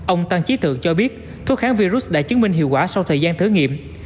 ông tăng trí thượng cho biết thuốc kháng virus đã chứng minh hiệu quả sau thời gian thử nghiệm